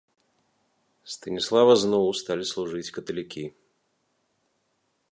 Станіслава зноў сталі служыць каталікі.